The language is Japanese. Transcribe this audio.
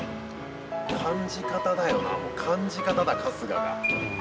感じ方だよな、もう、感じ方だな、春日が。